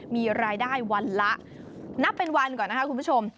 มีรายได้วันละนับเป็นวันก่อนนะคะคุณผู้ชม